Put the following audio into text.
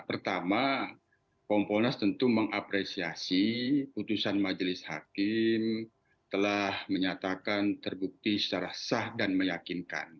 pertama kompolnas tentu mengapresiasi putusan majelis hakim telah menyatakan terbukti secara sah dan meyakinkan